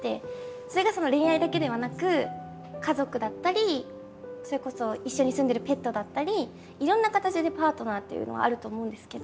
それが恋愛だけではなく家族だったりそれこそ一緒に住んでるペットだったりいろんな形でパートナーっていうのはあると思うんですけど。